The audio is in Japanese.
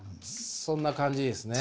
そんな感じですね。